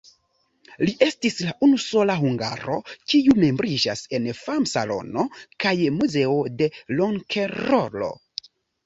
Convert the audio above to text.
Li estis la unusola hungaro, kiu membriĝis en Fam-Salono kaj Muzeo de Rokenrolo.